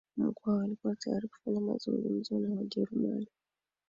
Mkwawa alikuwa tayari kufanya mazungumzo na Wajerumani